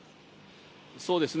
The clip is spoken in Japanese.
そうですね。